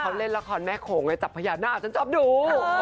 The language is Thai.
เค้าเล่นละครแม่โขงไงจับพยาหน้าฉันชอบดู